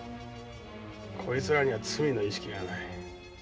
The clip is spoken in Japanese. こいつらには罪の意識がない。